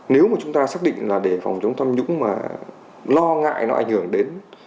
nếu mà chúng ta xác định là để phòng chống tham nhũng mà lo ngại nó ảnh hưởng đến